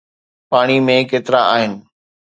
پاڻي ۾ ڪيترا آهن؟